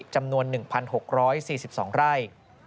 จำนวน๑๖๔๒ไร่